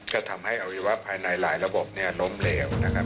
ก็ทำให้อวัยวะภายในหลายระบบเนี่ยล้มเหลวนะครับ